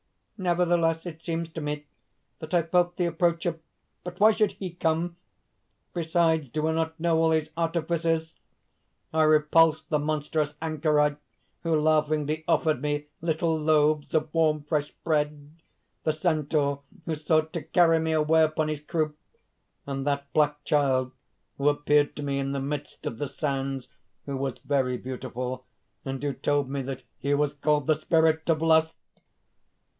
_) "Nevertheless ... it seems to me that I felt the approach of.... But why should He come? Besides, do I not know all his artifices? I repulsed the monstrous anchorite who laughingly offered me little loaves of warm, fresh bread, the centaur who sought to carry me away upon his croup, and that black child who appeared to me in the midst of the sands, who was very beautiful, and who told me that he was called the Spirit of Lust!"